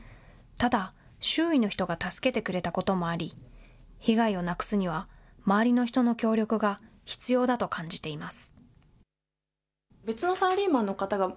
ただ、周囲の人が助けてくれたこともあり、被害をなくすには、周りの人の協力が必要だと感じています。